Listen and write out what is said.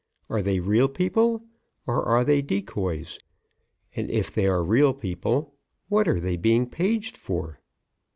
Are they real people or are they decoys? And if they are real people, what are they being paged for?"